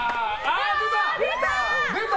出た！